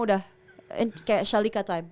udah kayak shalika time